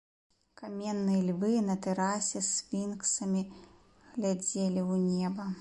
Каменныя львы на тэрасе сфінксамі глядзелі ў неба.